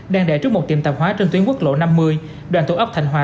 đang để trước một tiệm tạp hóa trên tuyến quốc lộ năm mươi đoàn tù ốc thành hòa